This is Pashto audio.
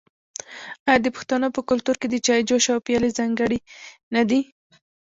آیا د پښتنو په کلتور کې د چای جوش او پیالې ځانګړي نه دي؟